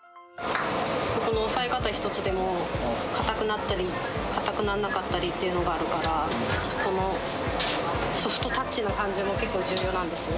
押さえ方一つでも、固くなったり、固くならなかったりっていうのがあるから、このソフトタッチな感じも結構重要なんですね。